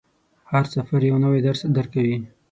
هر سفر یو نوی درس درکوي.